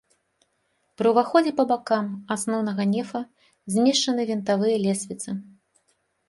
Пры ўваходзе па бакам асноўнага нефа змешчаны вінтавыя лесвіцы.